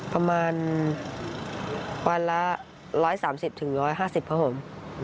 ประมาณวันละ๑๓๐๑๕๐ครับผม